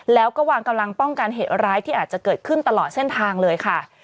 แล้วก็วางกำลังป้องกันเหตุร้ายที่อาจจะเกิดขึ้นตลอดเส้นทางเลยค่ะ